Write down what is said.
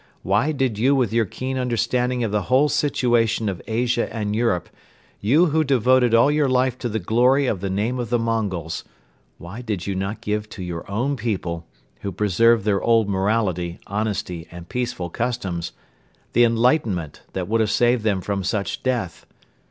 Why did you with your keen understanding of the whole situation of Asia and Europe, you who devoted all your life to the glory of the name of the Mongols, why did you not give to your own people, who preserve their old morality, honesty and peaceful customs, the enlightenment that would have saved them from such death?